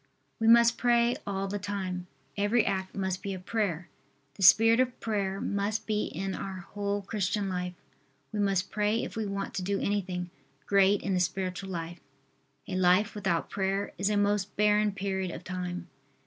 We must pray all the time. Every act must be a prayer. The spirit of prayer must be in our whole Christian life. We must pray if we want to do anything great in the spiritual life. A life without prayer is a most barren period of time.